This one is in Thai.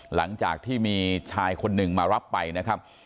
หลังจากที่มีชายคนหนึ่งมารับไปนะครับ